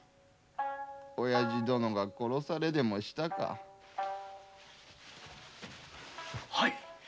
おやじ殿が殺されでもしたか？はぃ。